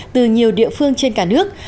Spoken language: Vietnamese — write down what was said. từ nhiều địa phương trên cả nước